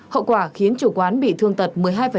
hậu quả khiến chủ quán bị thương tật một mươi hai